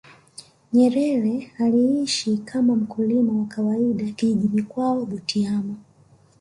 nyerere aliishi kama mkulima wa kawaida kijijini kwao butiama